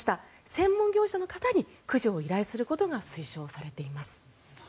専門業者の方に駆除を依頼することが推奨されています。